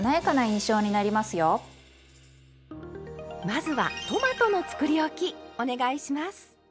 まずはトマトのつくりおきお願いします！